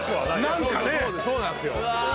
そうなんすよ。